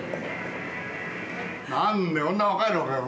何でこんな若いのかよ